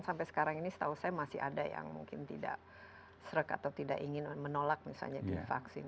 sampai sekarang ini setahu saya masih ada yang mungkin tidak serek atau tidak ingin menolak misalnya divaksin